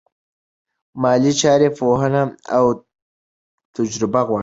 مالي چارې پوهنه او تجربه غواړي.